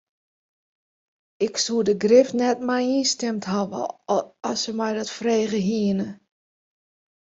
Ik soe der grif net mei ynstimd hawwe as se my dat frege hiene.